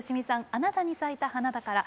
「あなたに咲いた花だから」